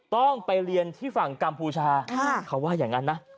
ต้องไปเรียนที่ฝั่งกัมพูชาเขาว่าอย่างนั้นนะ